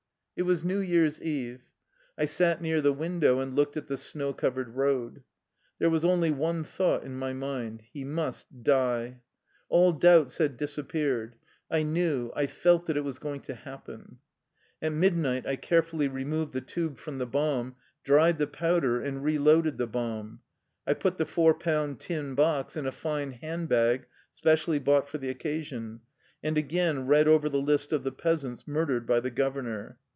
It was New Year's eve. I sat near the win dow and looked at the snow covered road. There was only one thought in my mind : he must die. All doubts had disappeared. I knew, I felt that it was going to happen. At midnight I carefully removed the tube from the bomb, dried the powder, and reloaded the bomb. I put the four pound tin box in a fine hand bag specially bought for the occasion, and again read over the list of the peasants mur dered by the governor.